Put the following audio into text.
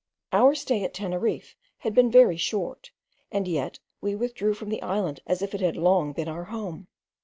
Our stay at Teneriffe had been very short, and yet we withdrew from the island as if it had long been our home.